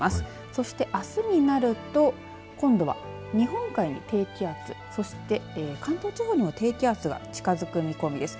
そしてあすになると今度は日本海に低気圧そして関東地方にも低気圧が近づく見込みです。